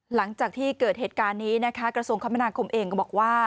หลังจากที่เกิดเหตุการณ์นี้นะคะกระทรวงคมนาคมเองก็บอกว่า